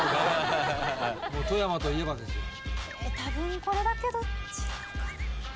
たぶんこれだけど違うかな。